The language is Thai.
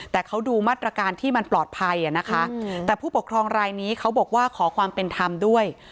แต่เขาดูมาตรการที่มันปลอดภัยนะคะแต่ผู้ปกครองรายนี้เขาบอกว่าขอความเป็นธรรมด้วย